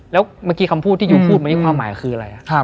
แล้วเมื่อกี้คำพูดที่ยูพูดมานี่ความหมายคืออะไร